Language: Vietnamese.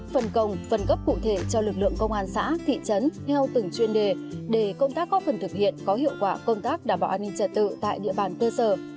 phần công phần cấp cụ thể cho lực lượng công an xã thị trấn theo từng chuyên đề để công tác có phần thực hiện có hiệu quả công tác đảm bảo an ninh trật tự tại địa bàn cơ sở